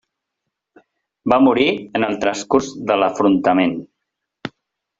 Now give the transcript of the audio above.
Va morir en el transcurs de l'afrontament.